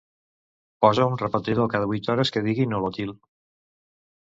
Posa un repetidor cada vuit hores que digui Nolotil.